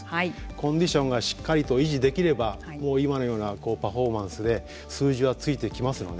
コンディションがしっかりと維持できれば今のようなパフォーマンスで数字はついてきますので。